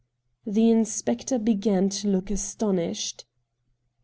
The inspector began to look astonished.